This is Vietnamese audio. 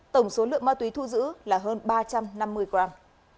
tổng số lượng ma túy thu giữ là hơn ba trăm năm mươi gram